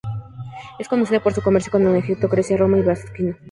Es conocida por su comercio con Egipto, Grecia, Roma y Bizancio.